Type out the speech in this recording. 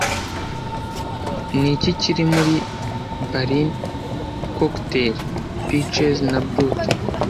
Niki kiri muri Ballini cocktail Peaches na Brut